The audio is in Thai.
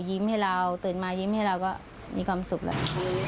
ยิ้มให้เราตื่นมายิ้มให้เราก็มีความสุขแล้ว